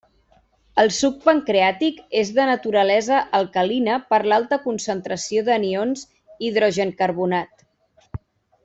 El suc pancreàtic és de naturalesa alcalina per l'alta concentració d'anions hidrogencarbonat.